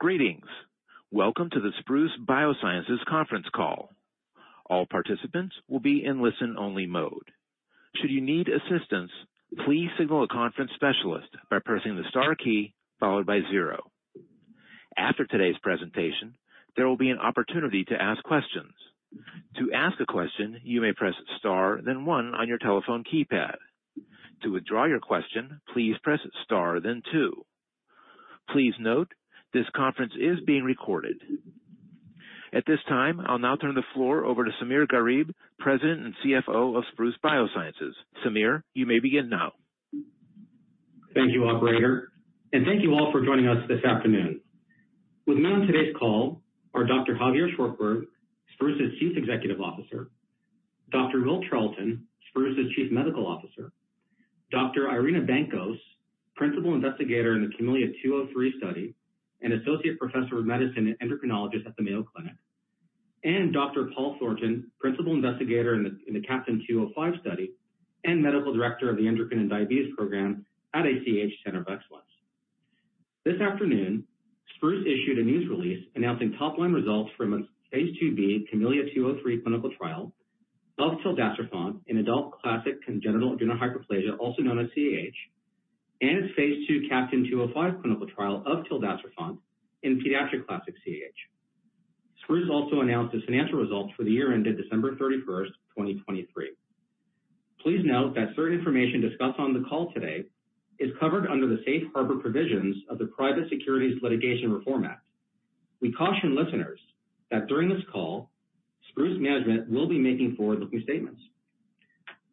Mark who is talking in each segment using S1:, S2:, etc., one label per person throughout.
S1: Greetings! Welcome to the Spruce Biosciences conference call. All participants will be in listen-only mode. Should you need assistance, please signal a conference specialist by pressing the star key followed by zero. After today's presentation, there will be an opportunity to ask questions. To ask a question, you may press star, then one on your telephone keypad. To withdraw your question, please press star, then two. Please note, this conference is being recorded. At this time, I'll now turn the floor over to Samir Gharib, President and CFO of Spruce Biosciences. Samir, you may begin now.
S2: Thank you, operator, and thank you all for joining us this afternoon. With me on today's call are Dr. Javier Szwarcberg, Spruce's Chief Executive Officer; Dr. Will Charlton, Spruce's Chief Medical Officer; Dr. Irina Bancos, Principal Investigator in the CAHmelia-203 study and Associate Professor of Medicine and Endocrinologist at the Mayo Clinic; and Dr. Paul Thornton, Principal Investigator in the CAHptain-205 study and Medical Director of the Endocrine and Diabetes Program at a CAH Center of Excellence. This afternoon, Spruce issued a news release announcing top-line results from its phase 2B CAHmelia-203 clinical trial of tildacerfont in adult classic congenital adrenal hyperplasia, also known as CAH, and its phase 2 CAHptain-205 clinical trial of tildacerfont in pediatric classic CAH. Spruce also announced its financial results for the year ended December 31, 2023. Please note that certain information discussed on the call today is covered under the safe harbor provisions of the Private Securities Litigation Reform Act. We caution listeners that during this call, Spruce management will be making forward-looking statements.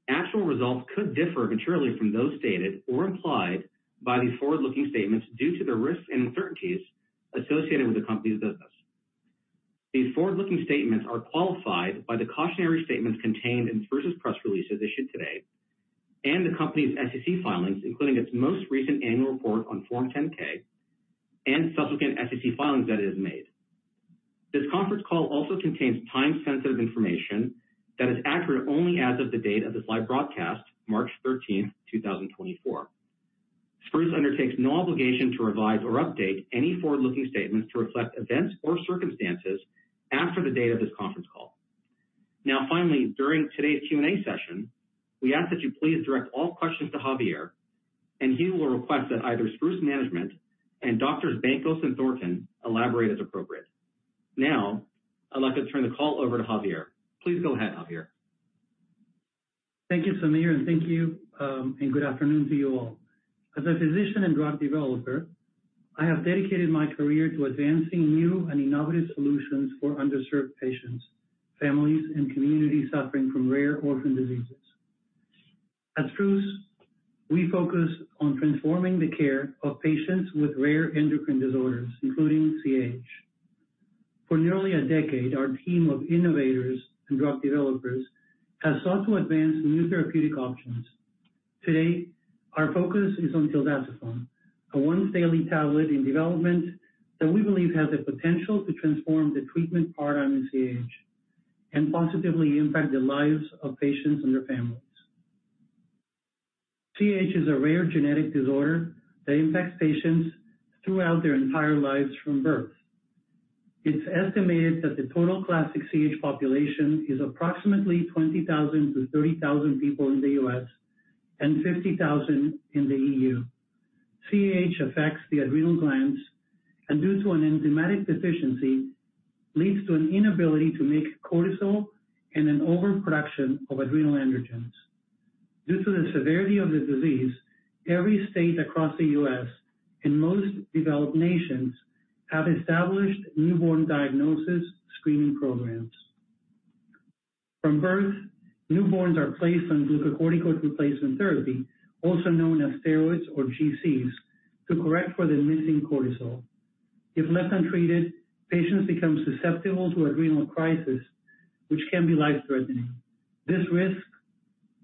S2: Actual results could differ materially from those stated or implied by these forward-looking statements due to the risks and uncertainties associated with the company's business. These forward-looking statements are qualified by the cautionary statements contained in Spruce's press release as issued today and the company's SEC filings, including its most recent annual report on Form 10-K and subsequent SEC filings that it has made. This conference call also contains time-sensitive information that is accurate only as of the date of this live broadcast, March 13, 2024. Spruce undertakes no obligation to revise or update any forward-looking statements to reflect events or circumstances after the date of this conference call. Now, finally, during today's Q&A session, we ask that you please direct all questions to Javier, and he will request that either Spruce management and Doctors Bancos and Thornton elaborate as appropriate. Now, I'd like to turn the call over to Javier. Please go ahead, Javier.
S3: Thank you, Samir, and thank you, and good afternoon to you all. As a physician and drug developer, I have dedicated my career to advancing new and innovative solutions for underserved patients, families, and communities suffering from rare orphan diseases. At Spruce, we focus on transforming the care of patients with rare endocrine disorders, including CAH. For nearly a decade, our team of innovators and drug developers has sought to advance new therapeutic options. Today, our focus is on tildacerfont, a once-daily tablet in development that we believe has the potential to transform the treatment paradigm in CAH and positively impact the lives of patients and their families. CAH is a rare genetic disorder that impacts patients throughout their entire lives from birth. It's estimated that the total classic CAH population is approximately 20,000-30,000 people in the U.S. and 50,000 in the EU. CAH affects the adrenal glands and, due to an enzymatic deficiency, leads to an inability to make cortisol and an overproduction of adrenal androgens. Due to the severity of the disease, every state across the U.S. and most developed nations have established newborn diagnosis screening programs. From birth, newborns are placed on glucocorticoid replacement therapy, also known as steroids or GCs, to correct for the missing cortisol. If left untreated, patients become susceptible to adrenal crisis, which can be life-threatening. This risk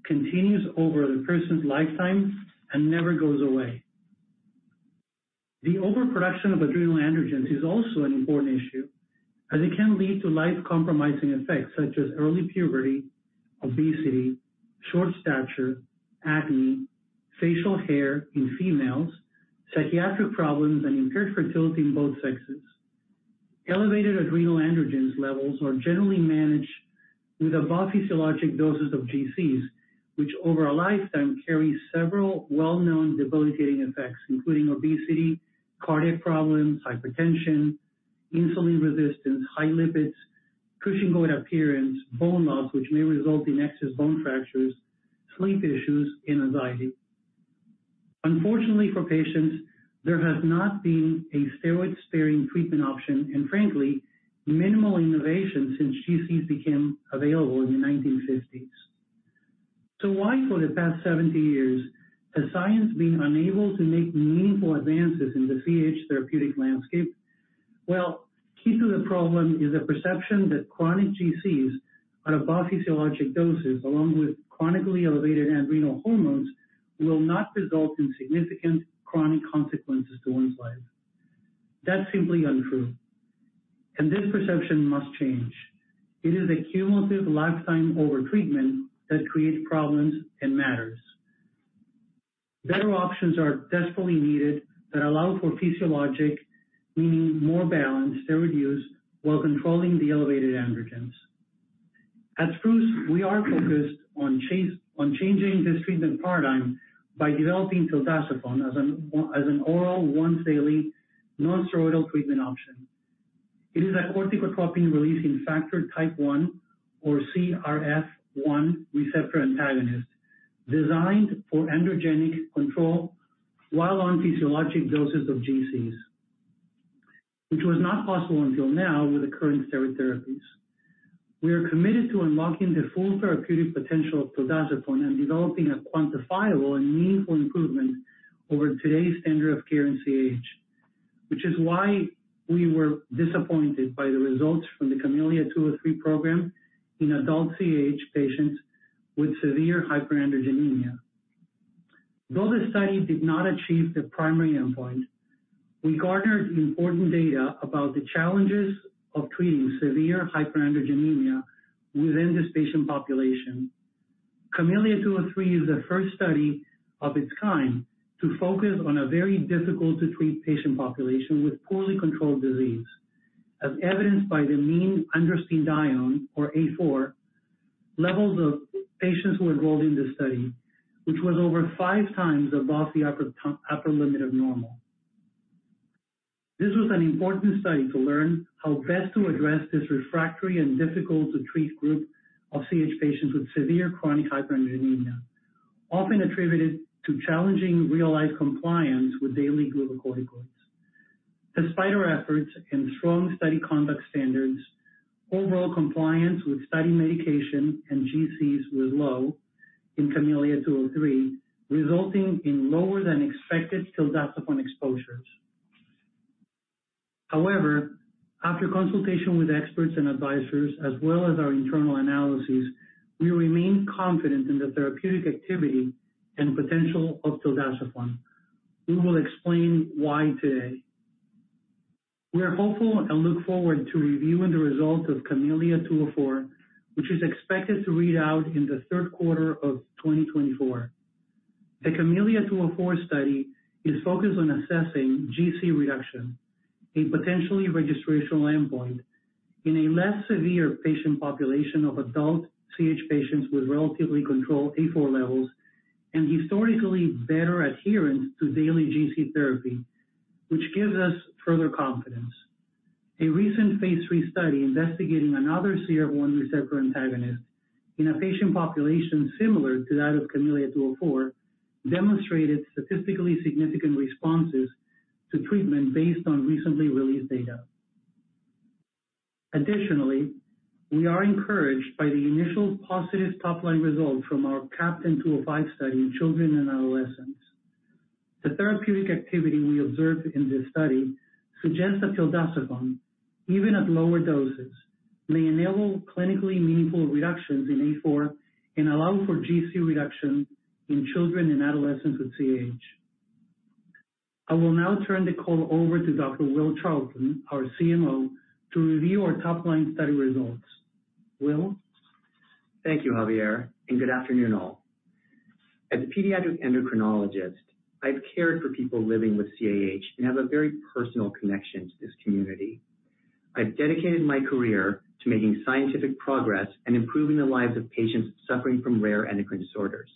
S3: continues over the person's lifetime and never goes away. The overproduction of adrenal androgens is also an important issue, as it can lead to life-compromising effects such as early puberty, obesity, short stature, acne, facial hair in females, psychiatric problems, and impaired fertility in both sexes. Elevated adrenal androgens levels are generally managed with above physiologic doses of GCs, which over a lifetime carry several well-known debilitating effects, including obesity, cardiac problems, hypertension, insulin resistance, high lipids, Cushingoid appearance, bone loss, which may result in excess bone fractures, sleep issues, and anxiety. Unfortunately, for patients, there has not been a steroid-sparing treatment option and frankly, minimal innovation since GCs became available in the 1950s. So why, for the past 70 years, has science been unable to make meaningful advances in the CAH therapeutic landscape? Well, key to the problem is the perception that chronic GCs at above physiologic doses, along with chronically elevated adrenal hormones, will not result in significant chronic consequences to one's life. That's simply untrue, and this perception must change. It is a cumulative lifetime overtreatment that creates problems and matters. Better options are desperately needed that allow for physiologic, meaning more balanced steroid use, while controlling the elevated androgens. At Spruce, we are focused on changing this treatment paradigm by developing tildacerfont as an oral, once daily, non-steroidal treatment option. It is a corticotropin-releasing factor type one, or CRF1 receptor antagonist, designed for androgenic control while on physiologic doses of GCs, which was not possible until now with the current steroid therapies. We are committed to unlocking the full therapeutic potential of tildacerfont and developing a quantifiable and meaningful improvement over today's standard of care in CAH. Which is why we were disappointed by the results from the CAHmelia-203 program in adult CAH patients with severe hyperandrogenemia. Though the study did not achieve the primary endpoint, we garnered important data about the challenges of treating severe hyperandrogenemia within this patient population. CAHmelia-203 is the first study of its kind to focus on a very difficult-to-treat patient population with poorly controlled disease, as evidenced by the mean androstenedione, or A4, levels of patients who enrolled in this study, which was over 5 times above the upper limit of normal. This was an important study to learn how best to address this refractory and difficult-to-treat group of CAH patients with severe chronic hyperandrogenemia, often attributed to challenging real-life compliance with daily glucocorticoids. Despite our efforts and strong study conduct standards, overall compliance with study medication and GCs was low in CAHmelia-203, resulting in lower than expected tildacerfont exposures. However, after consultation with experts and advisors, as well as our internal analyses, we remain confident in the therapeutic activity and potential of tildacerfont. We will explain why today. We are hopeful and look forward to reviewing the results of CAHmelia-204, which is expected to read out in the third quarter of 2024. The CAHmelia-204 study is focused on assessing GC reduction, a potentially registrational endpoint in a less severe patient population of adult CAH patients with relatively controlled A4 levels and historically better adherence to daily GC therapy, which gives us further confidence. A recent phase 3 study investigating another CRF1 receptor antagonist in a patient population similar to that of CAHmelia-204, demonstrated statistically significant responses to treatment based on recently released data. Additionally, we are encouraged by the initial positive top-line results from our CAHptain-205 study in children and adolescents. The therapeutic activity we observed in this study suggests that tildacerfont, even at lower doses, may enable clinically meaningful reductions in A4 and allow for GC reduction in children and adolescents with CAH. I will now turn the call over to Dr. Will Charlton, our CMO, to review our top-line study results. Will?
S4: Thank you, Javier, and good afternoon all. As a pediatric endocrinologist, I've cared for people living with CAH and have a very personal connection to this community. I've dedicated my career to making scientific progress and improving the lives of patients suffering from rare endocrine disorders.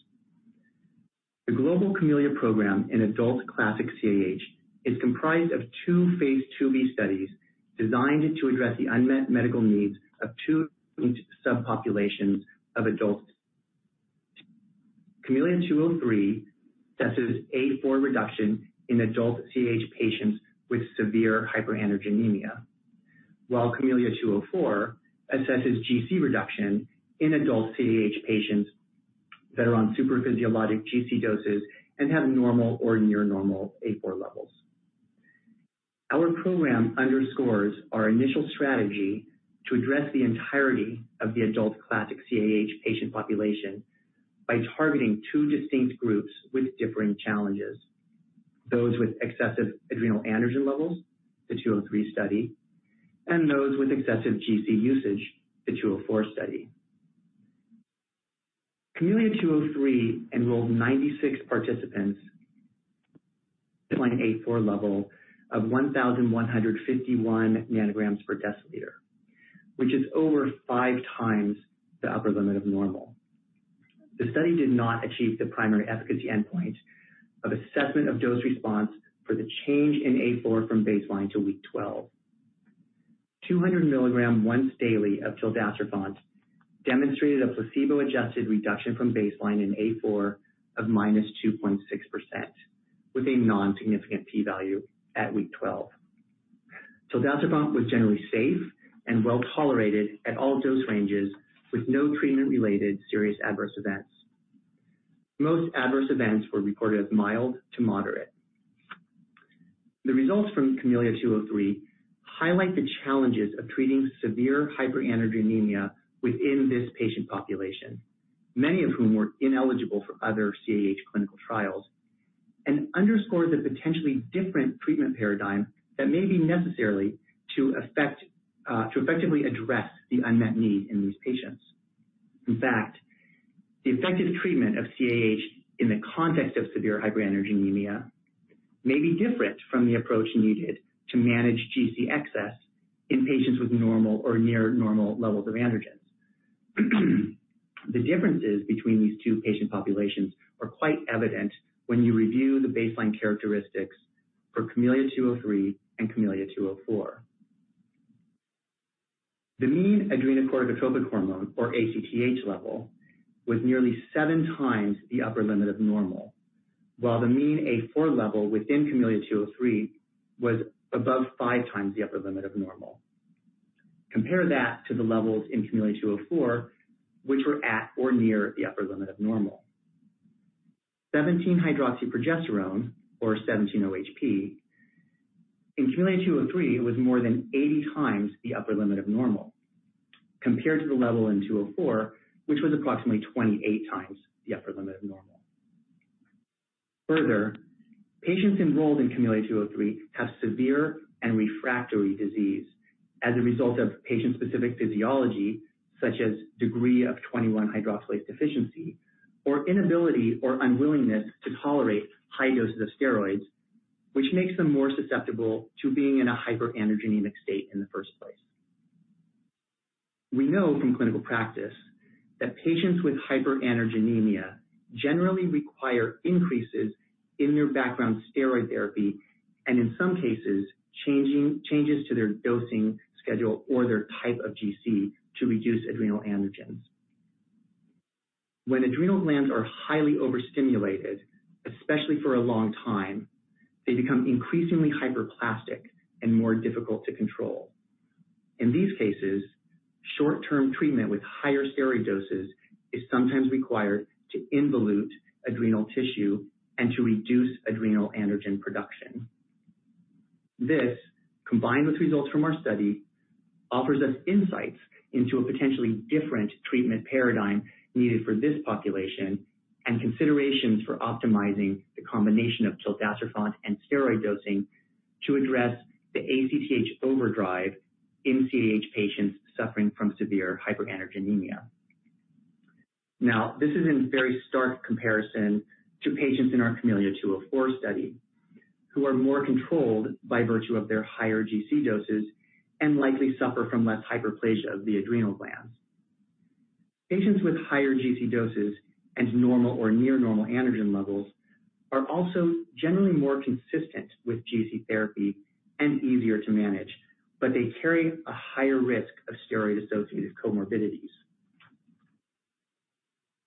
S4: The global CAHmelia program in adult classic CAH is comprised of two phase 2B studies designed to address the unmet medical needs of two subpopulations of adults. CAHmelia-203 assesses A4 reduction in adult CAH patients with severe hyperandrogenemia, while CAHmelia-204 assesses GC reduction in adult CAH patients that are on supraphysiologic GC doses and have normal or near normal A4 levels. Our program underscores our initial strategy to address the entirety of the adult classic CAH patient population by targeting two distinct groups with differing challenges: those with excessive adrenal androgen levels, the CAHmelia-203 study, and those with excessive GC usage, the CAHmelia-204 study. CAHmelia-203 enrolled 96 participants, A4 level of 1,151 nanograms per deciliter, which is over five times the upper limit of normal. The study did not achieve the primary efficacy endpoint of assessment of dose response for the change in A4 from baseline to week 12. 200 milligram once daily of tildacerfont demonstrated a placebo-adjusted reduction from baseline in A4 of -2.6%, with a non-significant P value at week 12. Tildacerfont was generally safe and well tolerated at all dose ranges, with no treatment-related serious adverse events. Most adverse events were recorded as mild to moderate. The results from CAHmelia-203 highlight the challenges of treating severe hyperandrogenemia within this patient population, many of whom were ineligible for other CAH clinical trials... and underscores a potentially different treatment paradigm that may be necessary to affect, to effectively address the unmet need in these patients. In fact, the effective treatment of CAH in the context of severe hyperandrogenemia may be different from the approach needed to manage GC excess in patients with normal or near normal levels of androgens. The differences between these two patient populations are quite evident when you review the baseline characteristics for CAHmelia-203 and CAHmelia-204. The mean adrenocorticotropic hormone, or ACTH level, was nearly 7 times the upper limit of normal, while the mean A4 level within CAHmelia-203 was above 5 times the upper limit of normal. Compare that to the levels in CAHmelia-204, which were at or near the upper limit of normal. 17-Hydroxyprogesterone, or 17-OHP, in CAHmelia-203, was more than 80 times the upper limit of normal, compared to the level in 204, which was approximately 28 times the upper limit of normal. Further, patients enrolled in CAHmelia-203 have severe and refractory disease as a result of patient-specific physiology, such as degree of 21-hydroxylase deficiency, or inability or unwillingness to tolerate high doses of steroids, which makes them more susceptible to being in a hyperandrogenic state in the first place. We know from clinical practice that patients with hyperandrogenemia generally require increases in their background steroid therapy, and in some cases, changes to their dosing schedule or their type of GC to reduce adrenal androgens. When adrenal glands are highly overstimulated, especially for a long time, they become increasingly hyperplastic and more difficult to control. In these cases, short-term treatment with higher steroid doses is sometimes required to involute adrenal tissue and to reduce adrenal androgen production. This, combined with results from our study, offers us insights into a potentially different treatment paradigm needed for this population, and considerations for optimizing the combination of tildacerfont and steroid dosing to address the ACTH overdrive in CAH patients suffering from severe hyperandrogenemia. Now, this is in very stark comparison to patients in our CAHmelia-204 study, who are more controlled by virtue of their higher GC doses and likely suffer from less hyperplasia of the adrenal glands. Patients with higher GC doses and normal or near normal androgen levels are also generally more consistent with GC therapy and easier to manage, but they carry a higher risk of steroid-associated comorbidities.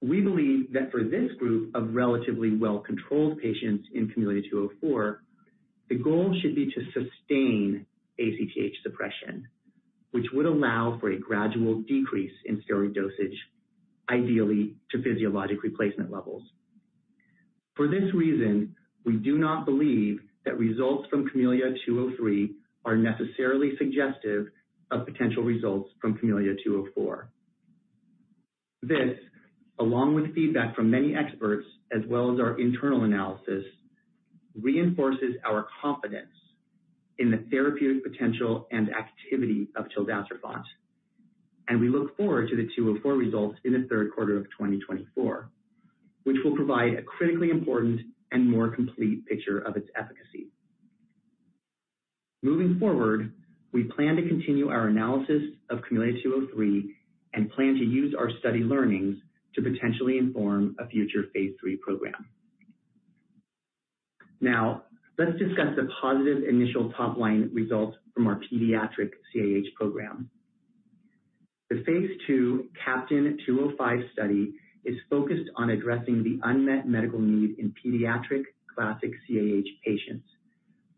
S4: We believe that for this group of relatively well-controlled patients in CAHmelia-204, the goal should be to sustain ACTH suppression, which would allow for a gradual decrease in steroid dosage, ideally to physiologic replacement levels. For this reason, we do not believe that results from CAHmelia-203 are necessarily suggestive of potential results from CAHmelia-204. This, along with feedback from many experts as well as our internal analysis, reinforces our confidence in the therapeutic potential and activity of tildacerfont, and we look forward to the 204 results in the third quarter of 2024, which will provide a critically important and more complete picture of its efficacy. Moving forward, we plan to continue our analysis of CAHmelia-203 and plan to use our study learnings to potentially inform a future phase 3 program. Now, let's discuss the positive initial top-line results from our pediatric CAH program. The phase 2 CAHptain-205 study is focused on addressing the unmet medical need in pediatric classic CAH patients,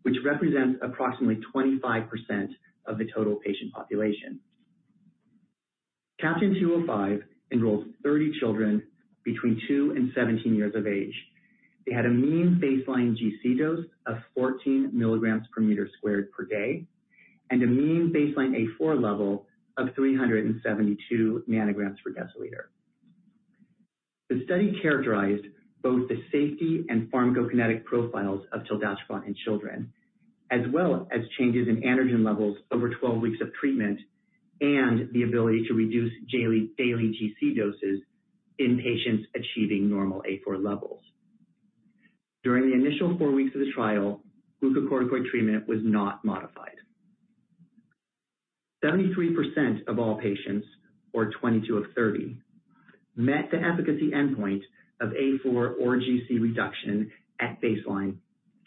S4: which represents approximately 25% of the total patient population. CAHptain-205 enrolls 30 children between 2 and 17 years of age. They had a mean baseline GC dose of 14 mg/m²/day, and a mean baseline A4 level of 372 ng/dL. The study characterized both the safety and pharmacokinetic profiles of tildacerfont in children, as well as changes in androgen levels over 12 weeks of treatment and the ability to reduce daily GC doses in patients achieving normal A4 levels. During the initial four weeks of the trial, glucocorticoid treatment was not modified. 73% of all patients, or 22 of 30, met the efficacy endpoint of A4 or GC reduction at baseline,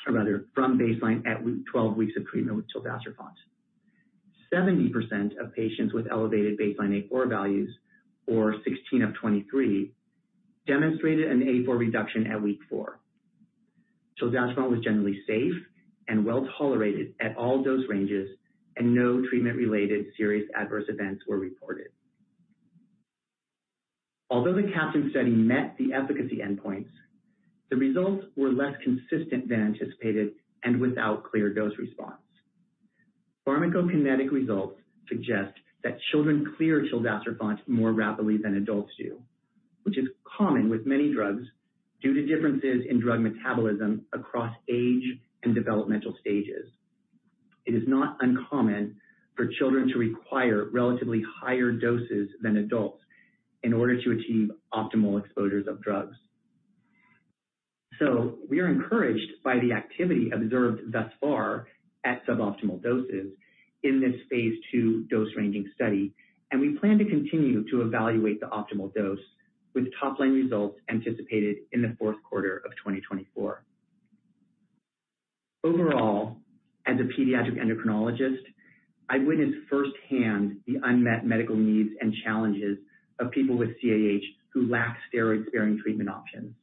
S4: or rather, from baseline at week 12 weeks of treatment with tildacerfont. 70% of patients with elevated baseline A4 values, or 16 of 23, demonstrated an A4 reduction at week four. Tildacerfont was generally safe and well-tolerated at all dose ranges, and no treatment-related serious adverse events were reported. Although the CAHptain study met the efficacy endpoints, the results were less consistent than anticipated and without clear dose response. Pharmacokinetic results suggest that children clear tildacerfont more rapidly than adults do, which is common with many drugs due to differences in drug metabolism across age and developmental stages. It is not uncommon for children to require relatively higher doses than adults in order to achieve optimal exposures of drugs. So we are encouraged by the activity observed thus far at suboptimal doses in this phase 2 dose ranging study, and we plan to continue to evaluate the optimal dose, with top-line results anticipated in the fourth quarter of 2024. Overall, as a pediatric endocrinologist, I've witnessed firsthand the unmet medical needs and challenges of people with CAH who lack steroid-sparing treatment options.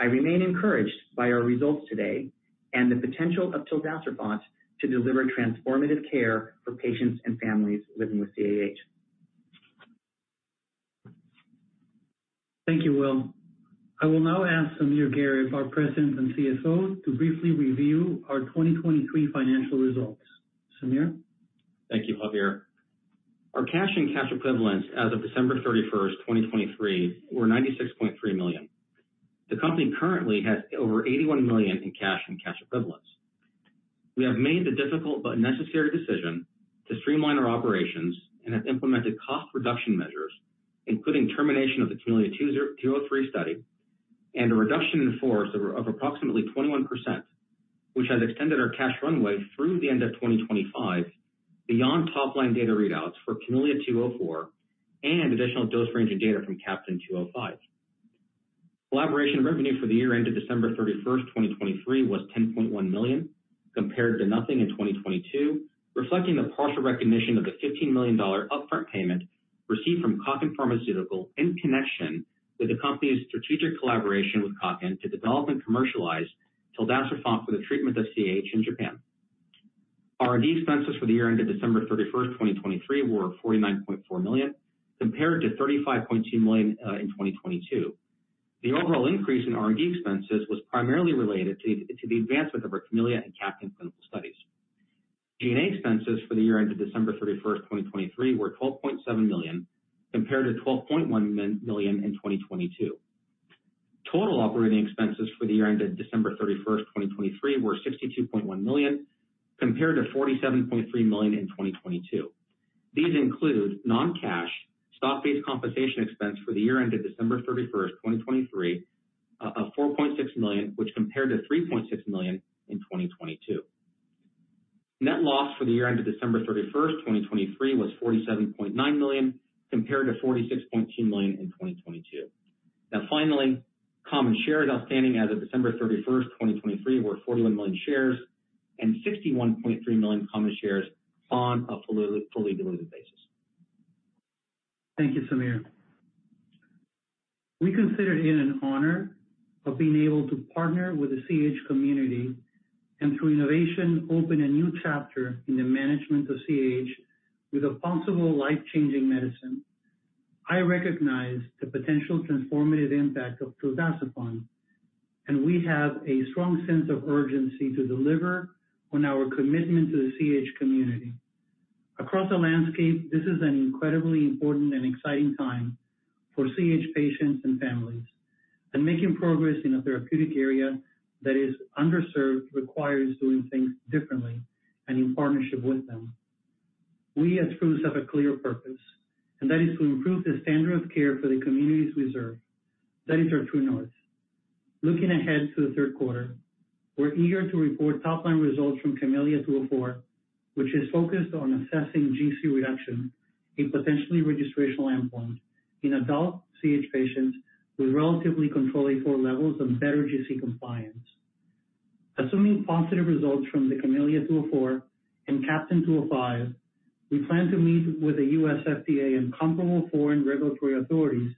S4: I remain encouraged by our results today and the potential of tildacerfont to deliver transformative care for patients and families living with CAH.
S3: Thank you, Will. I will now ask Samir Gharib, our President and CFO, to briefly review our 2023 financial results. Samir?
S2: Thank you, Javier. Our cash and cash equivalents as of December 31, 2023, were $96.3 million. The company currently has over $81 million in cash and cash equivalents. We have made the difficult but necessary decision to streamline our operations and have implemented cost reduction measures, including termination of the CAHmelia-203 study, and a reduction in force of approximately 21%, which has extended our cash runway through the end of 2025, beyond top-line data readouts for CAHmelia-204 and additional dose ranging data from CAHptain-205. Collaboration revenue for the year ended December 31, 2023, was $10.1 million, compared to nothing in 2022, reflecting the partial recognition of the $15 million upfront payment received from Kaken Pharmaceutical in connection with the company's strategic collaboration with Kaken to develop and commercialize tildacerfont for the treatment of CAH in Japan. R&D expenses for the year ended December 31, 2023, were $49.4 million, compared to $35.2 million in 2022. The overall increase in R&D expenses was primarily related to the advancement of our CAHmelia and CAHptain clinical studies. G&A expenses for the year ended December 31, 2023, were $12.7 million, compared to $12.1 million in 2022. Total operating expenses for the year ended December 31, 2023, were $62.1 million, compared to $47.3 million in 2022. These include non-cash stock-based compensation expense for the year ended December 31, 2023, of $4.6 million, which compared to $3.6 million in 2022. Net loss for the year ended December 31, 2023, was $47.9 million, compared to $46.2 million in 2022. Now finally, common shares outstanding as of December 31, 2023, were 41 million shares and 61.3 million common shares on a fully, fully diluted basis.
S3: Thank you, Samir. We consider it an honor of being able to partner with the CH community, and through innovation, open a new chapter in the management of CH with a possible life-changing medicine. I recognize the potential transformative impact of tildacerfont, and we have a strong sense of urgency to deliver on our commitment to the CH community. Across the landscape, this is an incredibly important and exciting time for CH patients and families. Making progress in a therapeutic area that is underserved requires doing things differently and in partnership with them. We at Spruce have a clear purpose, and that is to improve the standard of care for the communities we serve. That is our true north. Looking ahead to the third quarter, we're eager to report top-line results from CAHmelia-204, which is focused on assessing GC reduction in potentially registrational endpoint in adult CAH patients with relatively controlled A4 levels and better GC compliance. Assuming positive results from the CAHmelia-204 and CAHptain-205, we plan to meet with the U.S. FDA and comparable foreign regulatory authorities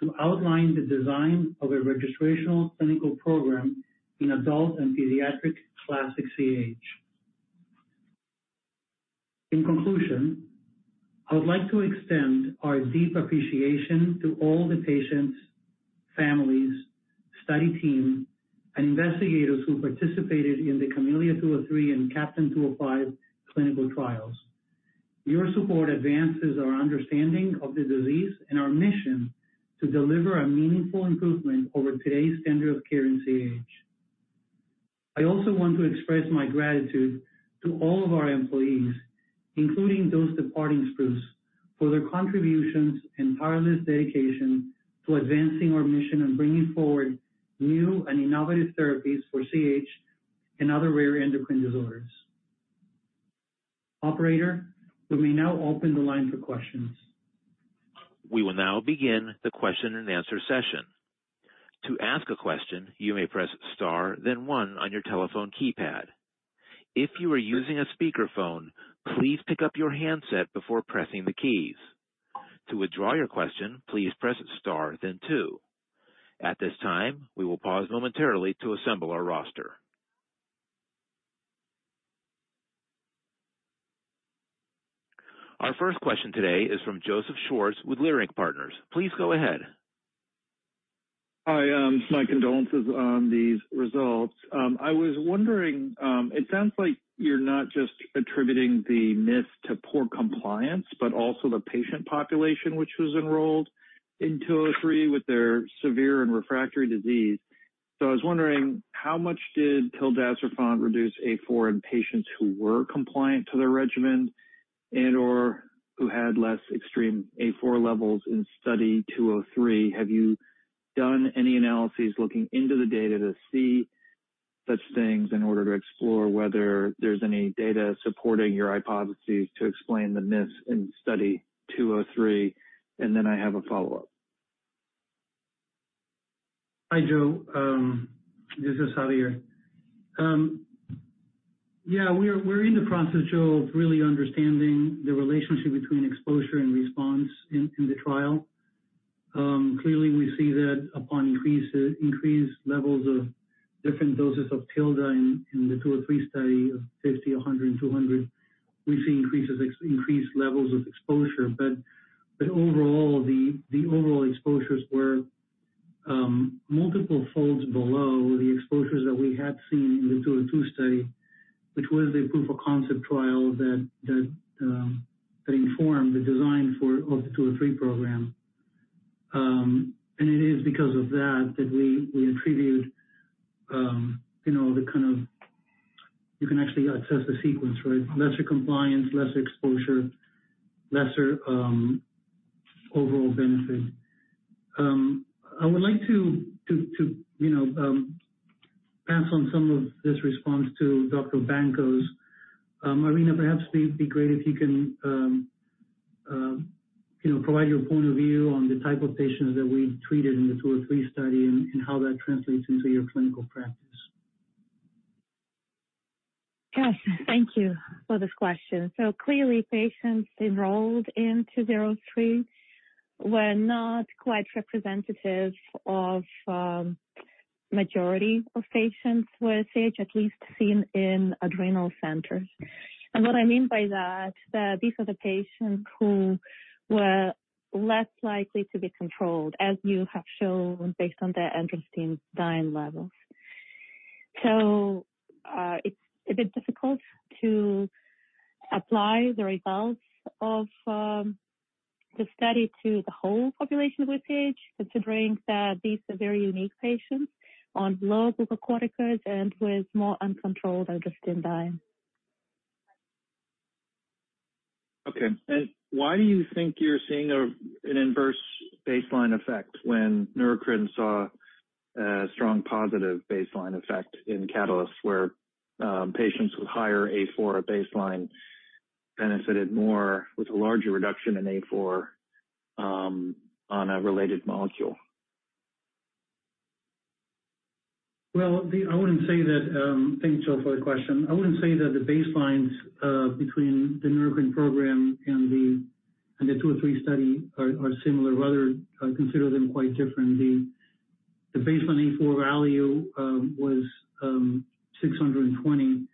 S3: to outline the design of a registrational clinical program in adult and pediatric classic CAH. In conclusion, I would like to extend our deep appreciation to all the patients, families, study team, and investigators who participated in the CAHmelia-203 and CAHptain-205 clinical trials. Your support advances our understanding of the disease and our mission to deliver a meaningful improvement over today's standard of care in CAH. I also want to express my gratitude to all of our employees, including those departing Spruce, for their contributions and tireless dedication to advancing our mission and bringing forward new and innovative therapies for CAH and other rare endocrine disorders. Operator, will we now open the line for questions?
S1: We will now begin the question and answer session. To ask a question, you may press star, then one on your telephone keypad. If you are using a speakerphone, please pick up your handset before pressing the keys. To withdraw your question, please press star then two. At this time, we will pause momentarily to assemble our roster. Our first question today is from Joseph Schwartz with Leerink Partners. Please go ahead....
S5: my condolences on these results. I was wondering, it sounds like you're not just attributing the miss to poor compliance, but also the patient population which was enrolled in 203 with their severe and refractory disease. So I was wondering, how much did tildacerfont reduce A4 in patients who were compliant to their regimen and, or who had less extreme A4 levels in study 203? Have you done any analyses looking into the data to see such things in order to explore whether there's any data supporting your hypotheses to explain the miss in study 203? And then I have a follow-up.
S3: Hi, Joe. This is Javier. Yeah, we're in the process, Joe, of really understanding the relationship between exposure and response in the trial. Clearly, we see that upon increased levels of different doses of tildacerfont in the 203 study of 50, 100, and 200, we've seen increased levels of exposure. But overall, the overall exposures were multiple folds below the exposures that we had seen in the 202 study, which was a proof of concept trial that informed the design of the 203 program. And it is because of that that we attributed, you know, the kind of - you can actually attest the sequence, right? Lesser compliance, less exposure, lesser overall benefit. I would like to, you know, pass on some of this response to Dr. Bancos. Irina, perhaps it'd be great if you can, you know, provide your point of view on the type of patients that we treated in the 203 study and how that translates into your clinical practice.
S6: Yes, thank you for this question. So clearly, patients enrolled in 203 were not quite representative of, majority of patients with CAH, at least seen in adrenal centers. And what I mean by that, that these are the patients who were less likely to be controlled, as you have shown based on their androstenedione levels. So, it's a bit difficult to apply the results of, the study to the whole population with CAH, considering that these are very unique patients on low glucocorticoids and with more uncontrolled androstenedione.
S5: Okay. And why do you think you're seeing an inverse baseline effect when Neurocrine saw a strong positive baseline effect in CAHtalyst, where patients with higher A4 baseline benefited more with a larger reduction in A4 on a related molecule?
S3: Well, I wouldn't say that... Thank you, Joe, for the question. I wouldn't say that the baselines between the Neurocrine program and the 203 study are similar. Rather, I consider them quite different. The baseline A4 value was 620.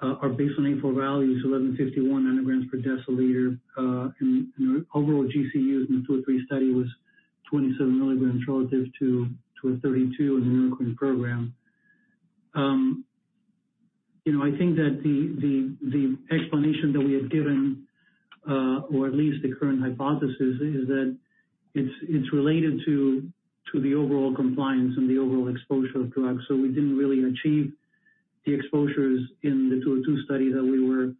S3: Our baseline A4 value is 1,151 nanograms per deciliter, and overall GCUs in the 203 study was 27 milligrams relative to a 32 in the Neurocrine program. You know, I think that the explanation that we have given, or at least the current hypothesis, is that it's related to the overall compliance and the overall exposure of drugs. So we didn't really achieve the exposures in the 202 study that we were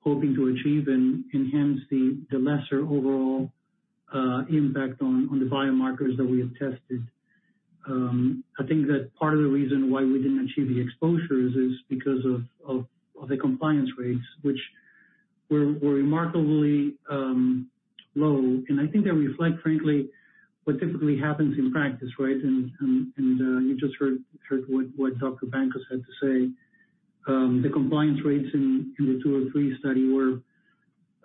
S3: hoping to achieve, and hence the lesser overall impact on the biomarkers that we have tested. I think that part of the reason why we didn't achieve the exposures is because of the compliance rates, which were remarkably low, and I think they reflect, frankly, what typically happens in practice, right? And you just heard what Dr. Bancos had to say. The compliance rates in the 203 study were,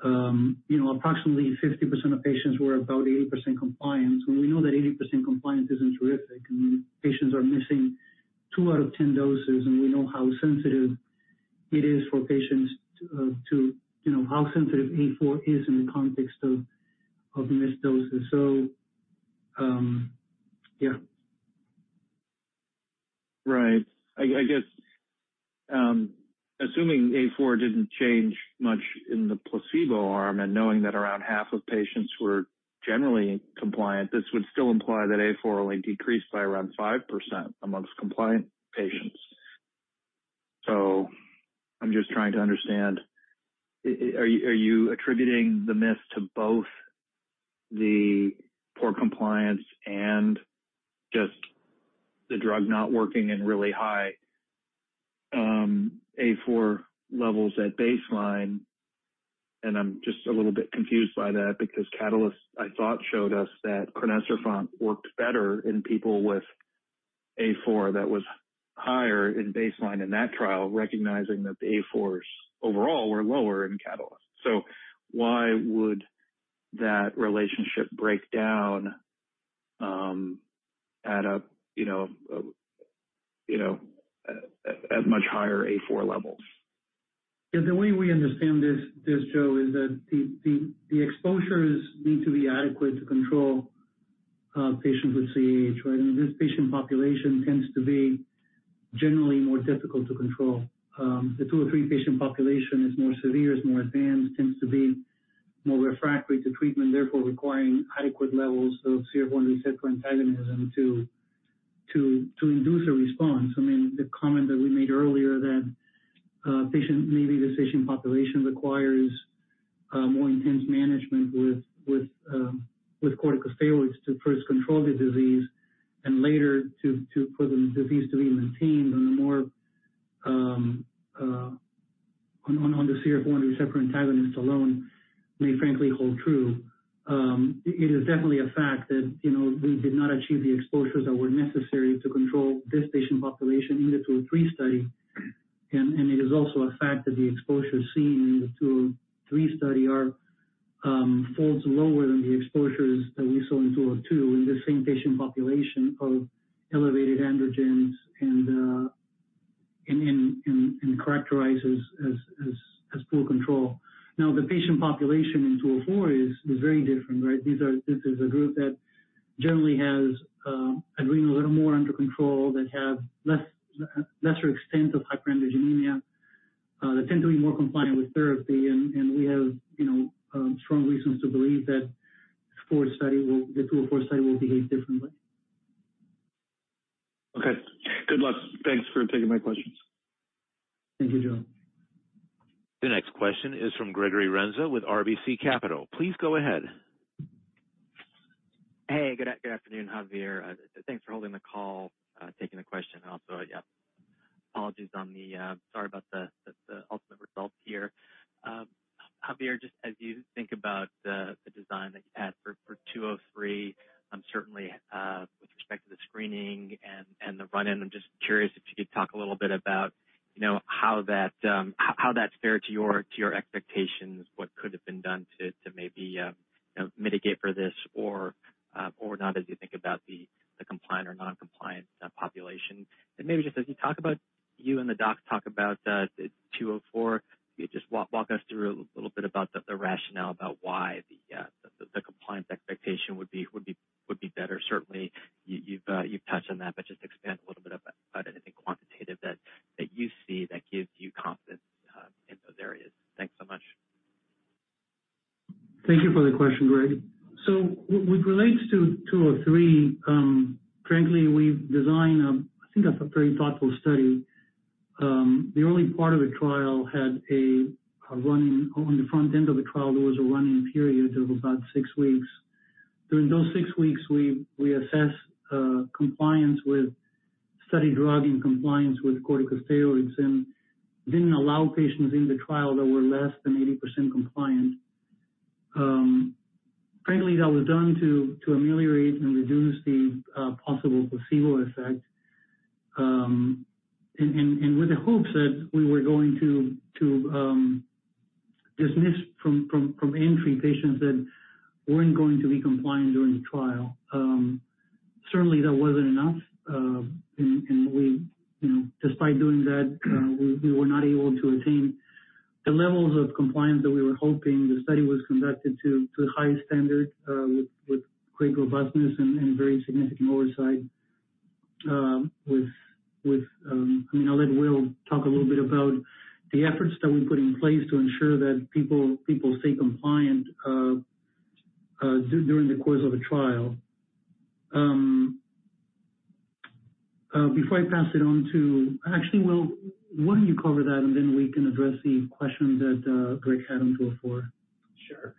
S3: you know, approximately 50% of patients were about 80% compliance. And we know that 80% compliance isn't terrific, and patients are missing 2 out of 10 doses, and we know how sensitive it is for patients to you know how sensitive A4 is in the context of missed doses. So, yeah.
S5: Right. I guess, assuming A4 didn't change much in the placebo arm, and knowing that around half of patients were generally compliant, this would still imply that A4 only decreased by around 5% amongst compliant patients. So I'm just trying to understand, are you attributing the miss to both the poor compliance and just the drug not working in really high A4 levels at baseline? And I'm just a little bit confused by that, because Catalyst, I thought, showed us that crinecerfont worked better in people with A4 that was higher in baseline in that trial, recognizing that the A4s overall were lower in Catalyst. So why would that relationship break down, you know, at much higher A4 levels?...
S3: Yeah, the way we understand this, Joe, is that the exposures need to be adequate to control patients with CAH, right? I mean, this patient population tends to be generally more difficult to control. The 2 or 3 patient population is more severe, is more advanced, tends to be more refractory to treatment, therefore, requiring adequate levels of CRF1 receptor antagonism to induce a response. I mean, the comment that we made earlier that patient -- maybe this patient population requires more intense management with corticosteroids to first control the disease and later to, for the disease to be maintained on a more on the CRF1 receptor antagonist alone, may frankly hold true. It is definitely a fact that, you know, we did not achieve the exposures that were necessary to control this patient population in the 203 study. And it is also a fact that the exposure seen in the 203 study are folds lower than the exposures that we saw in 202, in the same patient population of elevated androgens and characterizes as poor control. Now, the patient population in 204 is very different, right? This is a group that generally has adrenal a little more under control, that have lesser extent of hyperandrogenemia, that tend to be more compliant with therapy. And we have, you know, strong reasons to believe that the 204 study will behave differently.
S7: Okay. Good luck. Thanks for taking my questions.
S3: Thank you, Joe.
S1: The next question is from Gregory Renza with RBC Capital. Please go ahead.
S8: Hey, good afternoon, Javier. Thanks for holding the call, taking the question also. Yeah, apologies on the, sorry about the ultimate result here. Javier, just as you think about the design that you had for 2 of 3, certainly, with respect to the screening and the run-in, I'm just curious if you could talk a little bit about, you know, how that's fair to your expectations, what could have been done to maybe, you know, mitigate for this or, or not, as you think about the compliant or non-compliant population? Maybe just as you talk about, you and the docs talk about the 2 of 4, can you just walk us through a little bit about the rationale about why the compliance expectation would be better? Certainly, you've touched on that, but just expand a little bit about anything quantitative that you see that gives you confidence in those areas. Thanks so much.
S3: Thank you for the question, Greg. So, with regards to two or three, frankly, we've designed, I think, a very thoughtful study. On the front end of the trial, there was a run-in period of about six weeks. During those six weeks, we assessed compliance with study drug and compliance with corticosteroids and didn't allow patients in the trial that were less than 80% compliant. Frankly, that was done to ameliorate and reduce the possible placebo effect, and with the hopes that we were going to dismiss from entry patients that weren't going to be compliant during the trial. Certainly that wasn't enough, and we, you know, despite doing that, we were not able to attain the levels of compliance that we were hoping. The study was conducted to the highest standard, with great robustness and very significant oversight, with you know, I'll let Will talk a little bit about the efforts that we put in place to ensure that people stay compliant during the course of a trial. Before I pass it on to... Actually, Will, why don't you cover that, and then we can address the question that Greg had on 2 or 4?
S4: Sure.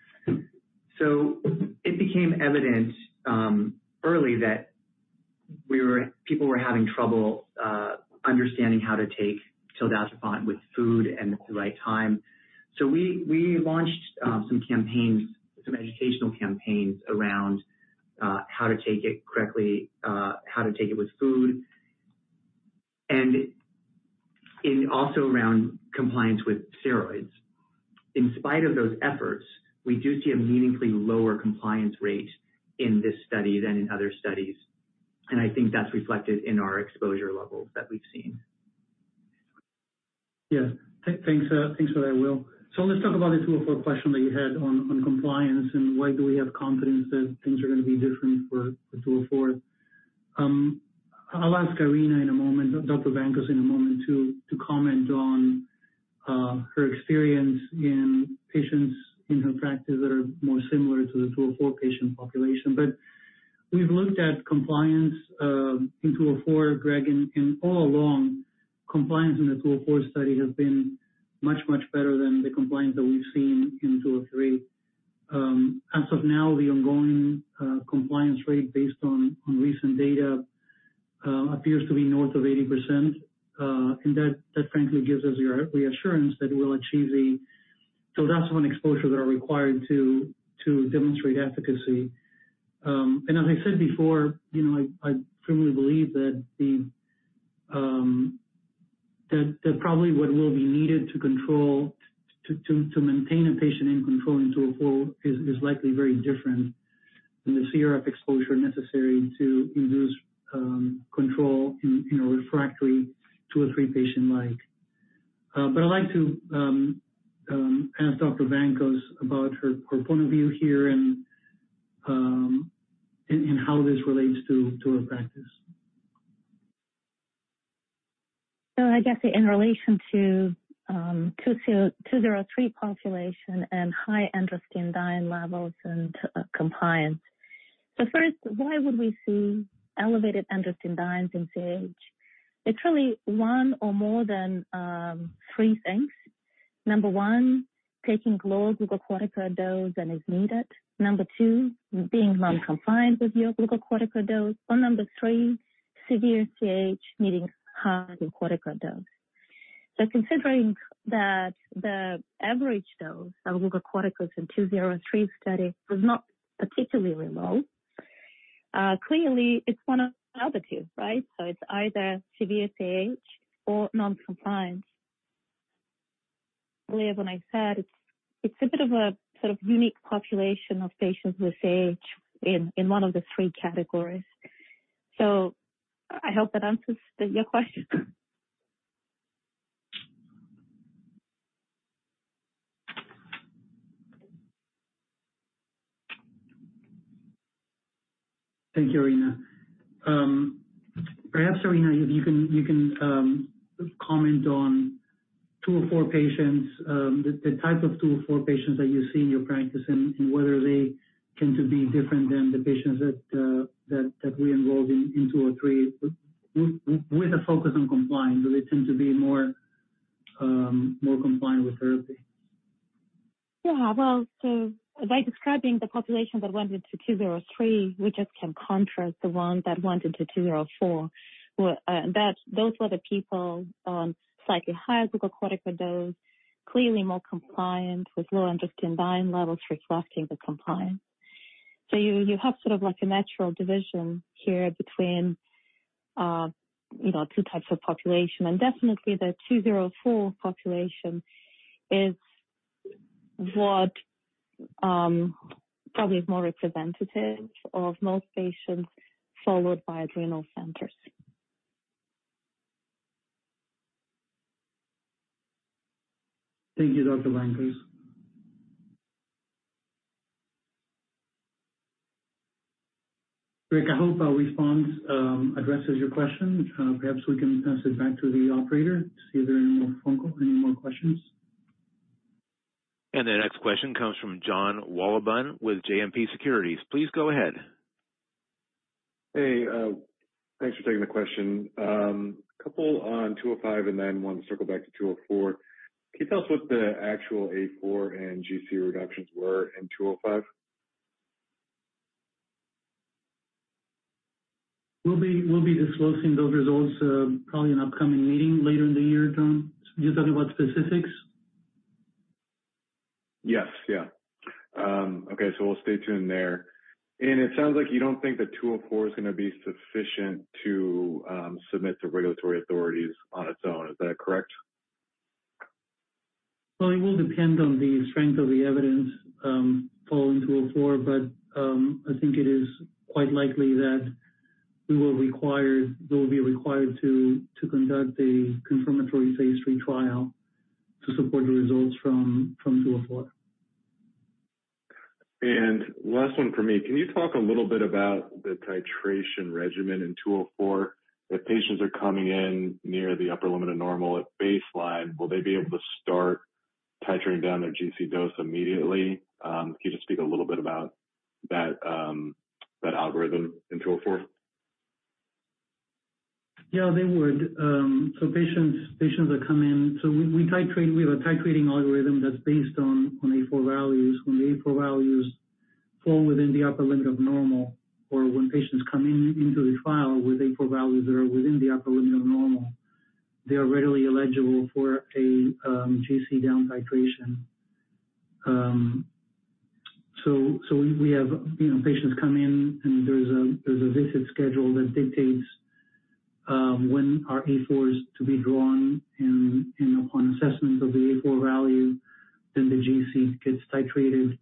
S4: So it became evident early that people were having trouble understanding how to take tildacerfont with food and the right time. So we launched some campaigns, some educational campaigns around how to take it correctly, how to take it with food, and also around compliance with steroids. In spite of those efforts, we do see a meaningfully lower compliance rate in this study than in other studies, and I think that's reflected in our exposure levels that we've seen.
S3: Yeah. Thanks for that, Will. So let's talk about the 204 question that you had on compliance, and why do we have confidence that things are going to be different for the 204? I'll ask Irina in a moment, Dr. Bancos, in a moment to comment on her experience in patients in her practice that are more similar to the 204 patient population. But we've looked at compliance in 204, Greg, and all along, compliance in the 204 study has been much, much better than the compliance that we've seen in 203. As of now, the ongoing compliance rate based on recent data appears to be north of 80%. And that frankly gives us the reassurance that we'll achieve the tildacerfont exposure that are required to demonstrate efficacy. And as I said before, you know, I firmly believe that probably what will be needed to control - to maintain a patient in control in two or four is likely very different, and the CRF exposure necessary to induce control in a refractory two or three patient like. But I'd like to ask Dr. Bancos about her point of view here and how this relates to her practice.
S6: So I guess in relation to, 203 population and high androstenedione levels and, compliance. So first, why would we see elevated androstenedione in CAH? It's really one or more than three things. Number 1, taking low glucocorticoid dose than is needed. Number 2, being noncompliant with your glucocorticoid dose. Or Number 3, severe CAH needing high glucocorticoid dose. So considering that the average dose of glucocorticoids in 203 study was not particularly low, clearly it's one of the other two, right? So it's either severe CAH or noncompliant. Earlier when I said, it's a bit of a sort of unique population of patients with CAH in one of the three categories. So I hope that answers your question.
S3: Thank you, Irina. Perhaps, Irina, if you can, comment on 204 patients, the type of 204 patients that you see in your practice, and whether they tend to be different than the patients that we enrolled in 203 with a focus on compliance. Do they tend to be more compliant with therapy?
S6: Yeah. Well, so by describing the population that went into 203, we just can contrast the one that went into 204. Well, that those were the people on slightly higher glucocorticoid dose, clearly more compliant with lower androstenedione levels, reflecting the compliance. So you, you have sort of like a natural division here between, you know, two types of population. And definitely the 204 population is what, probably is more representative of most patients followed by adrenal centers.
S3: Thank you, Dr. Bancos. Rick, I hope our response addresses your question. Perhaps we can pass it back to the operator to see if there are any more phone call, any more questions.
S1: The next question comes from John Wolleben with JMP Securities. Please go ahead.
S9: Hey, thanks for taking the question. A couple on 205 and then one to circle back to 204. Can you tell us what the actual A4 and GC reductions were in 205?
S3: We'll be, we'll be disclosing those results, probably in an upcoming meeting later in the year, John. You're talking about specifics?
S9: Yes. Yeah. Okay, so we'll stay tuned there. And it sounds like you don't think that 204 is gonna be sufficient to submit to regulatory authorities on its own. Is that correct?
S3: Well, it will depend on the strength of the evidence from 204, but I think it is quite likely that we will be required to conduct a confirmatory phase III trial to support the results from 204.
S9: Last one for me. Can you talk a little bit about the titration regimen in 204? If patients are coming in near the upper limit of normal at baseline, will they be able to start titrating down their GC dose immediately? Can you just speak a little bit about that algorithm in 204?
S3: Yeah, they would. So patients that come in. So we titrate. We have a titrating algorithm that's based on A4 values. When the A4 values fall within the upper limit of normal, or when patients come into the trial with A4 values that are within the upper limit of normal, they are readily eligible for a GC down titration. So we have, you know, patients come in, and there's a visit schedule that dictates when our A4 is to be drawn and, upon assessment of the A4 value, then the GC gets titrated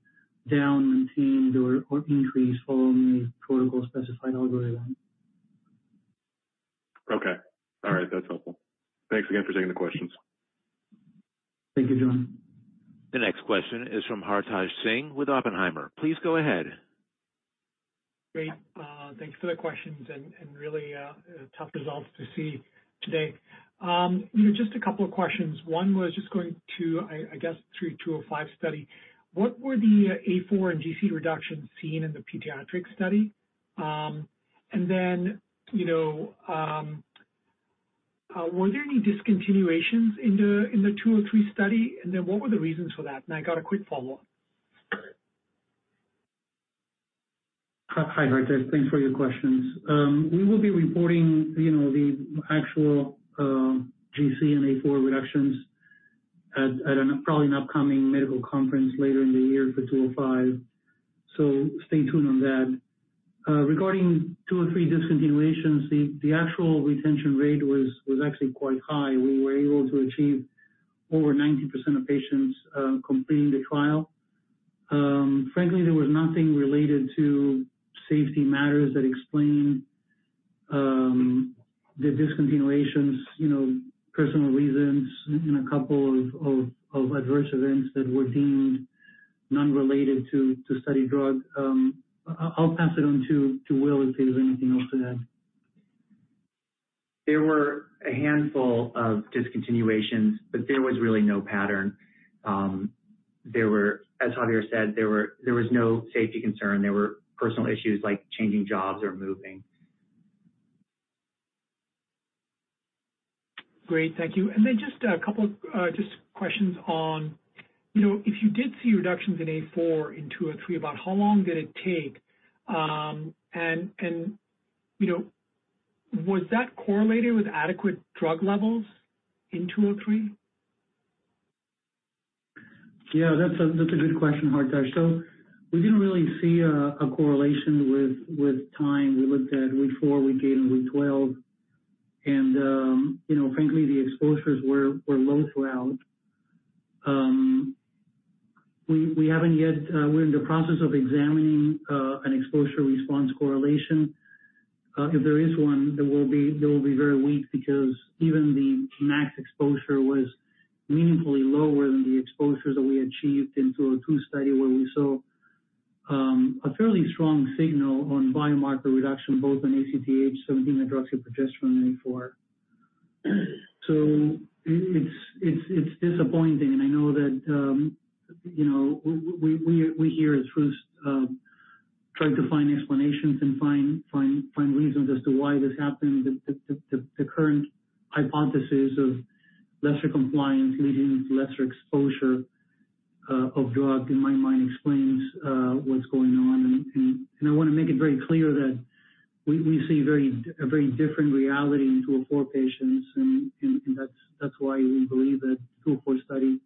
S3: down, maintained, or increased following the protocol-specified algorithm.
S9: Okay. All right. That's helpful. Thanks again for taking the questions.
S3: Thank you, John.
S1: The next question is from Hartaj Singh with Oppenheimer. Please go ahead.
S10: Great. Thank you for the questions and really tough results to see today. You know, just a couple of questions. One was just going to, I guess, through 205 study, what were the A4 and GC reductions seen in the pediatric study? And then, you know, were there any discontinuations in the 203 study? And then what were the reasons for that? And I got a quick follow-up.
S3: Hi, Hartaj. Thanks for your questions. We will be reporting, you know, the actual GC and A4 reductions at an upcoming medical conference later in the year for 205, so stay tuned on that. Regarding 2 or 3 discontinuations, the actual retention rate was actually quite high. We were able to achieve over 90% of patients completing the trial. Frankly, there was nothing related to safety matters that explain the discontinuations, you know, personal reasons and a couple of adverse events that were deemed non-related to study drug. I'll pass it on to Will to see if there's anything else to add.
S11: There were a handful of discontinuations, but there was really no pattern. As Javier said, there was no safety concern. There were personal issues like changing jobs or moving.
S10: Great, thank you. And then just a couple, just questions on, you know, if you did see reductions in A4, in two or three, about how long did it take? And, you know, was that correlated with adequate drug levels in two or three?
S3: Yeah, that's a good question, Hartaj. So we didn't really see a correlation with time. We looked at week 4, week 8, and week 12, and, you know, frankly, the exposures were low throughout. We haven't yet, we're in the process of examining an exposure-response correlation. If there is one, it will be very weak, because even the max exposure was meaningfully lower than the exposures that we achieved in 202 study, where we saw a fairly strong signal on biomarker reduction, both in ACTH 17-hydroxyprogesterone A4. So it, it's disappointing, and I know that, you know, we here at Spruce tried to find explanations and find reasons as to why this happened. The current hypothesis of lesser compliance leading to lesser exposure of drug, in my mind, explains what's going on. And I wanna make it very clear that we see a very different reality in 204 patients, and that's why we believe that 204 study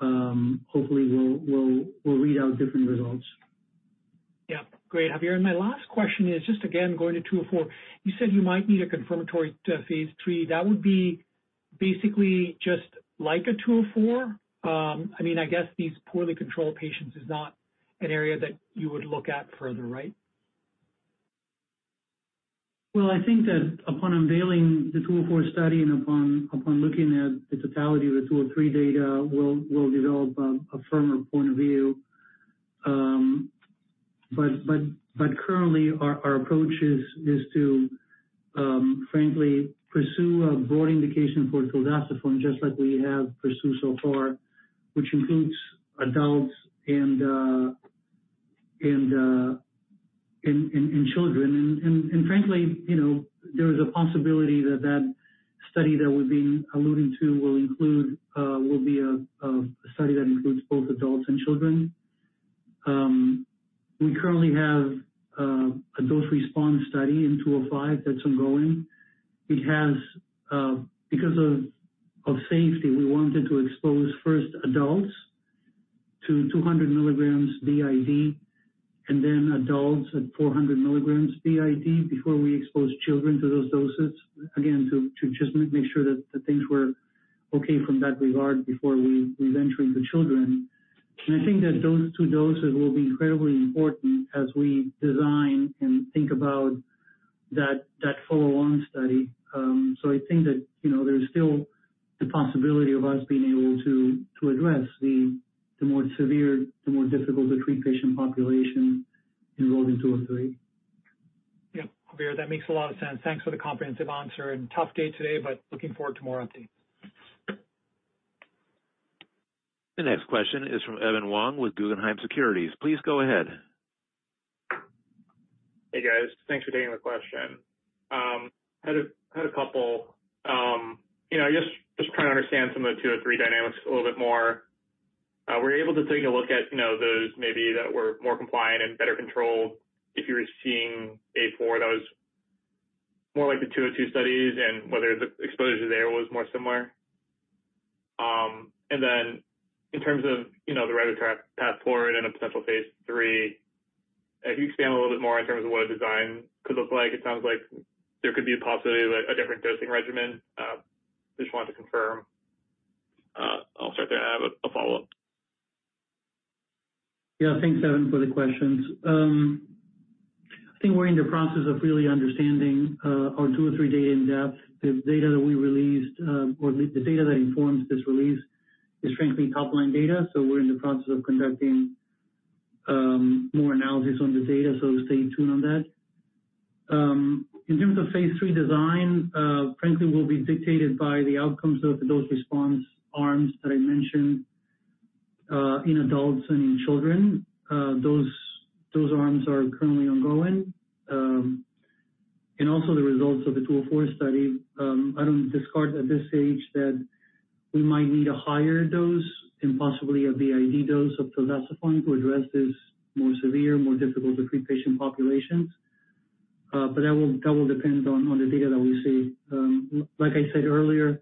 S3: hopefully will read out different results.
S10: Yeah. Great, Javier. And my last question is just again, going to 2 or 4. You said you might need a confirmatory phase 3. That would be basically just like a 2 or 4? I mean, I guess these poorly controlled patients is not an area that you would look at further, right?
S3: Well, I think that upon unveiling the 204 study and upon looking at the totality of the 203 data, we'll develop a firmer point of view. But currently, our approach is to frankly pursue a broad indication for tildacerfont, just like we have pursued so far, which includes adults and children. And frankly, you know, there is a possibility that that study that we've been alluding to will be a study that includes both adults and children. We currently have a dose response study in 205 that's ongoing. Because of safety, we wanted to expose first adults to 200 milligrams BID, and then adults at 400 milligrams BID before we expose children to those doses. Again, to just make sure that the things were okay from that regard before we venture into children. And I think that those two doses will be incredibly important as we design and think about that follow-along study. So I think that, you know, there's still the possibility of us being able to address the more severe, the more difficult to treat patient population enrolled in two or three.
S10: Yeah, Javier, that makes a lot of sense. Thanks for the comprehensive answer, and tough day today, but looking forward to more updates.
S1: The next question is from Evan Wang with Guggenheim Securities. Please go ahead.
S12: Hey, guys. Thanks for taking the question. Had a couple, you know, just trying to understand some of the 2 or 3 dynamics a little bit more. Were you able to take a look at, you know, those maybe that were more compliant and better controlled, if you were seeing A4 that was more like the 202 studies, and whether the exposure there was more similar? And then in terms of, you know, the regulatory path forward and a potential phase 3, can you expand a little bit more in terms of what a design could look like? It sounds like there could be a possibility of, like, a different dosing regimen. Just wanted to confirm. I'll start there. I have a follow-up.
S3: Yeah. Thanks, Evan, for the questions. I think we're in the process of really understanding our 203 data in depth. The data that we released, or the data that informs this release is frankly top-line data, so we're in the process of conducting more analysis on the data. So stay tuned on that. In terms of phase 3 design, frankly, we'll be dictated by the outcomes of those response arms that I mentioned in adults and in children. Those, those arms are currently ongoing. And also the results of the 204 study. I don't discard at this stage that we might need a higher dose and possibly a BID dose of tildacerfont to address this more severe, more difficult to treat patient populations. But that will depend on the data that we see. Like I said earlier,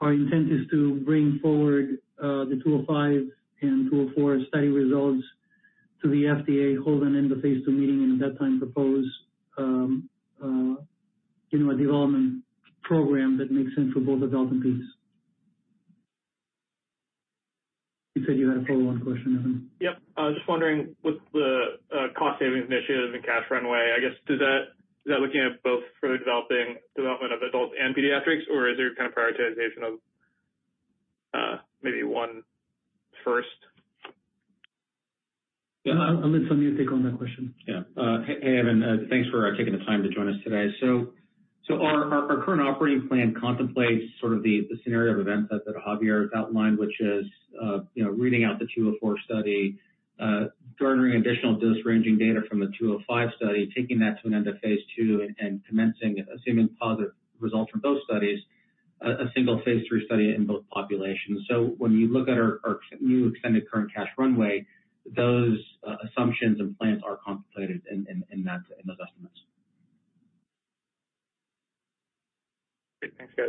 S3: our intent is to bring forward the 205 and 204 study results to the FDA, hold an end of phase two meeting, and at that time propose, you know, a development program that makes sense for both adult and peds. You said you had a follow-on question, Evan?
S12: Yep. I was just wondering, with the cost savings initiative and cash runway, I guess, is that looking at both for the development of adult and pediatrics? Or is there kind of prioritization of maybe one first?
S3: Yeah, I'll let somebody take on that question.
S4: Yeah. Hey, hey, Evan, thanks for taking the time to join us today. So our current operating plan contemplates sort of the scenario of events that Javier has outlined, which is, you know, reading out the 204 study, garnering additional dose-ranging data from the 205 study, taking that to an end of phase two, and commencing, assuming positive results from both studies, a single phase three study in both populations. So when you look at our new extended current cash runway, those assumptions and plans are contemplated in those estimates.
S12: Great. Thanks, guys.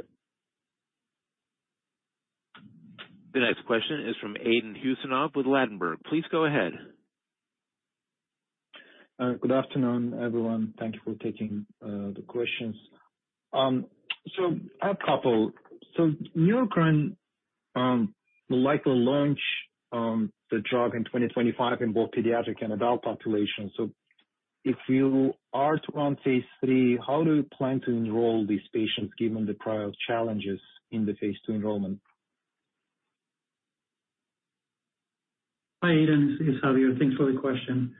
S1: The next question is from Aidan Husanov with Ladenburg. Please go ahead.
S13: Good afternoon, everyone. Thank you for taking, the questions. So I have a couple. So Neurocrine will likely launch the drug in 2025 in both pediatric and adult population. So if you are to run phase 3, how do you plan to enroll these patients, given the prior challenges in the phase 2 enrollment?
S3: Hi, Aidan. This is Javier. Thanks for the question.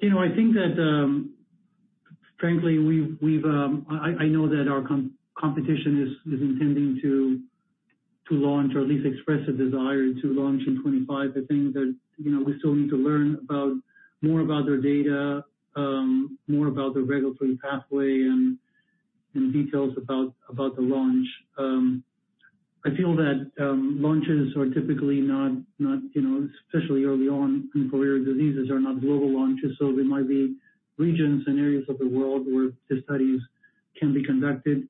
S3: You know, I think that, frankly, I know that our competition is intending to launch or at least express a desire to launch in 2025. I think that, you know, we still need to learn more about their data, more about the regulatory pathway and details about the launch. I feel that, launches are typically not, you know, especially early on in rare diseases, not global launches, so there might be regions and areas of the world where the studies can be conducted.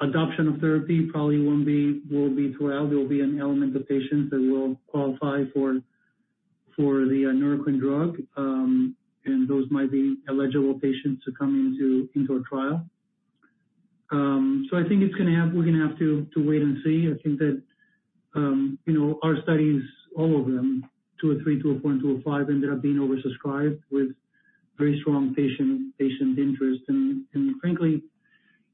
S3: Adoption of therapy probably will be throughout. There will be an element of patients that will qualify for the Neurocrine drug, and those might be eligible patients to come into a trial. So I think it's gonna—we're gonna have to wait and see. I think that, you know, our studies, all of them, 203, 204, and 205, ended up being oversubscribed with very strong patient interest. And frankly,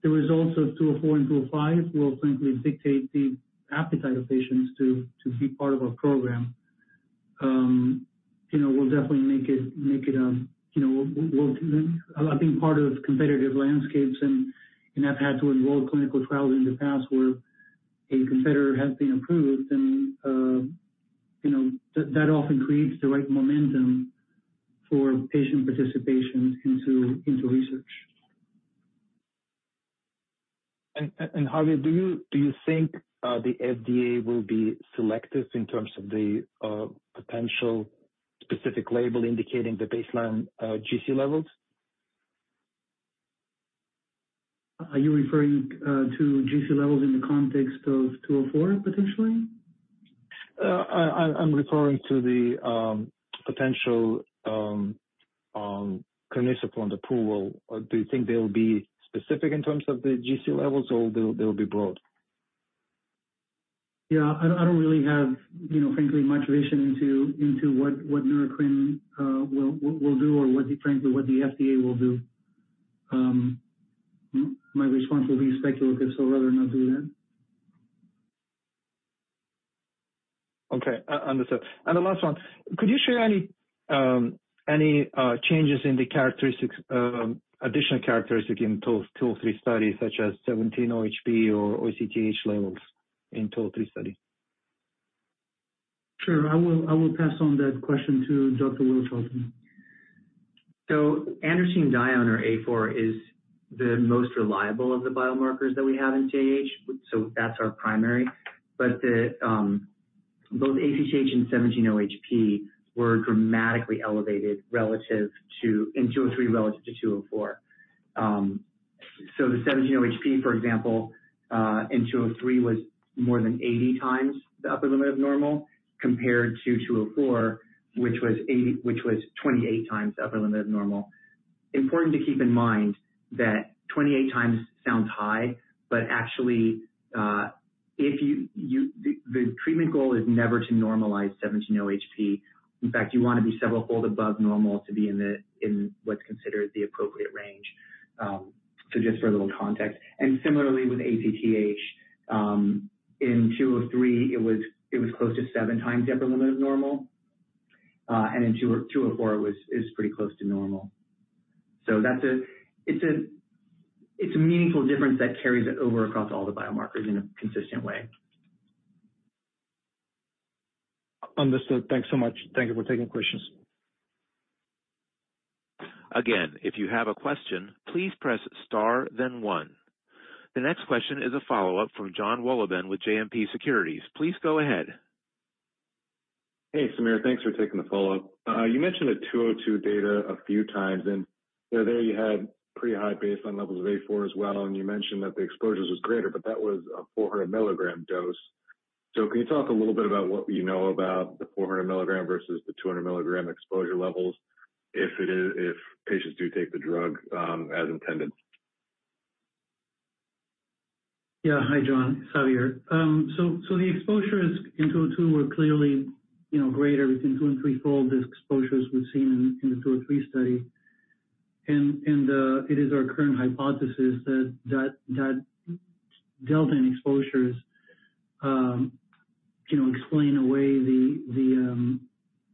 S3: the results of 204 and 205 will frankly dictate the appetite of patients to be part of our program. You know, we'll definitely make it, you know, I think part of competitive landscapes and I've had to enroll clinical trials in the past where a competitor has been approved, and, you know, that often creates the right momentum for patient participation into research.
S13: Javier, do you think the FDA will be selective in terms of the potential specific label indicating the baseline GC levels?
S3: Are you referring to GC levels in the context of 204, potentially?
S13: I'm referring to the potential kernicterus on the approval. Do you think they'll be specific in terms of the GC levels, or they'll be broad?
S3: Yeah, I don't, I don't really have, you know, frankly, much vision into, into what, what Neurocrine will do, or what frankly, what the FDA will do. My response will be speculative, so I'd rather not do that.
S13: Okay, understood. The last one: Could you share any changes in the characteristics, additional characteristic in 203 studies, such as 17-OHP or ACTH levels in 203 study?
S3: Sure. I will, I will pass on that question to Dr. Willis Altman.
S4: Androstenedione, or A4, is the most reliable of the biomarkers that we have in CAH, so that's our primary. But the both ACTH and 17-OHP were dramatically elevated in 203 relative to 204. So the 17-OHP, for example, in 203, was more than 80 times the upper limit of normal, compared to 204, which was 28 times the upper limit of normal. Important to keep in mind that 28 times sounds high, but actually, if you The treatment goal is never to normalize 17-OHP. In fact, you wanna be severalfold above normal to be in what's considered the appropriate range, so just for a little context. Similarly with ACTH, in 203, it was close to 7 times the upper limit of normal, and in 204, it was pretty close to normal. So that's a meaningful difference that carries it over across all the biomarkers in a consistent way.
S13: Understood. Thanks so much. Thank you for taking the questions.
S1: Again, if you have a question, please press star, then one. The next question is a follow-up from Jonathan Wolleben with JMP Securities. Please go ahead.
S9: Hey, Samir, thanks for taking the follow-up. You mentioned the 202 data a few times, and, you know, there you had pretty high baseline levels of A4 as well, and you mentioned that the exposures was greater, but that was a 400 mg dose. So can you talk a little bit about what you know about the 400 mg versus the 200 mg exposure levels, if it is, if patients do take the drug as intended?
S3: Yeah. Hi, John, Javier. So the exposures in 202 were clearly, you know, greater between 2 and threefold, the exposures we've seen in the 203 study. And it is our current hypothesis that that delta in exposures, you know, explain away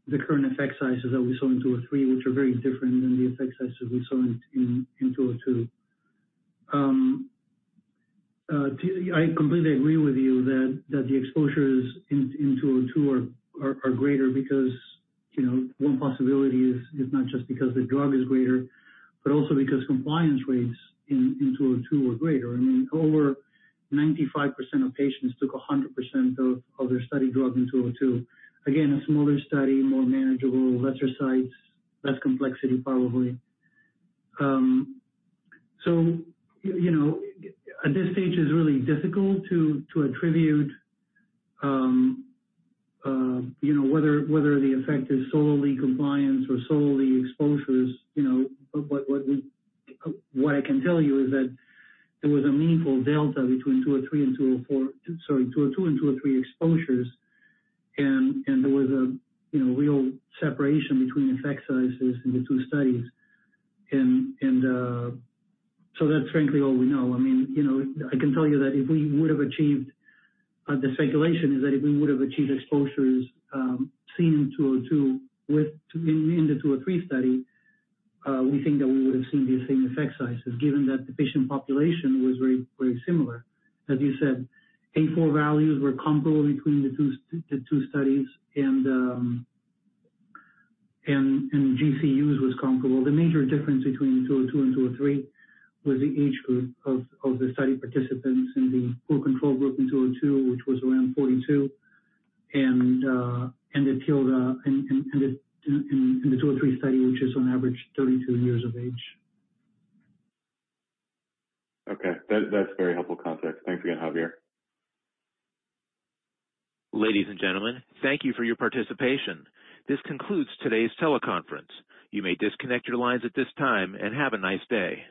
S3: the current effect sizes that we saw in 203, which are very different than the effect sizes we saw in 202. I completely agree with you that the exposures in 202 are greater because, you know, one possibility is not just because the drug is greater, but also because compliance rates in 202 were greater. I mean, over 95% of patients took 100% of their study drug in 202. Again, a smaller study, more manageable, lesser sites, less complexity probably. So, you know, at this stage, it's really difficult to attribute, you know, whether the effect is solely compliance or solely exposures. You know, but what we, what I can tell you is that there was a meaningful delta between 203 and 204 -- sorry, 202 and 203 exposures. And, and there was a, you know, real separation between effect sizes in the two studies. And, and, so that's frankly all we know. I mean, you know, I can tell you that if we would've achieved, the speculation is that if we would've achieved exposures, seen in 202 within the 203 study, we think that we would've seen the same effect sizes, given that the patient population was very, very similar. As you said, A4 values were comparable between the two the two studies and, and GC use was comparable. The major difference between 202 and 203 was the age group of the study participants in the full control group in 202, which was around 42, and in the 203 study, which is on average 32 years of age.
S9: Okay. That, that's very helpful context. Thanks again, Javier.
S1: Ladies and gentlemen, thank you for your participation. This concludes today's teleconference. You may disconnect your lines at this time, and have a nice day.